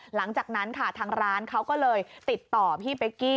หลังจากนั้นค่ะทางร้านเขาก็เลยติดต่อพี่เป๊กกี้